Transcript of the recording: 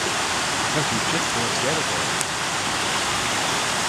Ta shiu çheet er gerrey da!